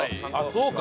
そうか。